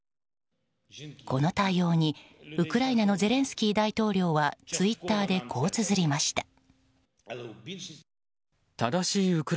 この対応にウクライナのゼレンスキー大統領はツイッターでこうつづりました。